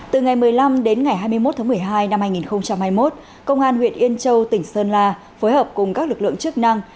từ ngày một mươi năm đến ngày hai mươi một tháng một mươi hai năm hai nghìn hai mươi một công an huyện yên châu tỉnh sơn la phối hợp cùng các lực lượng chức năng